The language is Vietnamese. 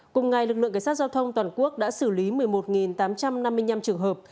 cùng ngày lực lượng cảnh sát giao thông toàn quốc đã xử lý một mươi một tám trăm năm mươi năm trường hợp